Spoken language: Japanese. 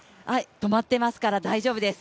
止まっていますから大丈夫です。